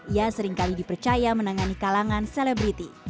ia seringkali dipercaya menangani kalangan selebriti